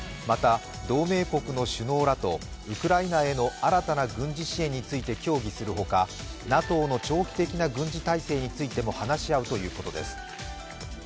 また同盟国の首脳らとウクライナへの新たな軍事支援について協議するほかＮＡＴＯの長期的な軍事態勢についても話し合うということです。